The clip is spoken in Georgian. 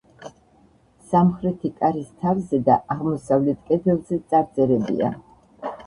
სამხრეთი კარის თავზე და აღმოსავლეთ კედელზე წარწერებია.